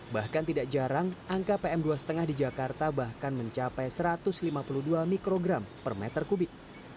bahkan tidak jarang angka pm dua lima di jakarta bahkan mencapai satu ratus lima puluh dua mikrogram per meter kubik